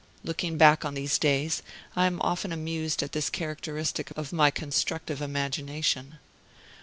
Looking back on these days, I am often amused at this characteristic of my constructive imagination.